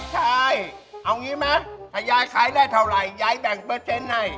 ใช่เอางี้ไหมถ้ายายขายได้เท่าไหร่ยายแบ่งเปอร์เซ็นต์ให้